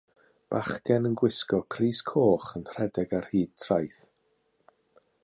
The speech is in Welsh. Bachgen yn gwisgo crys coch yn rhedeg ar hyd traeth.